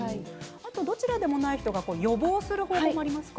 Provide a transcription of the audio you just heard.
どちらでもない人が予防する方法はありますか？